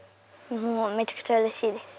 もうめちゃくちゃうれしいです。